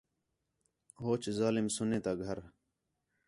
ہوچ ظالم سُنّے تا گھر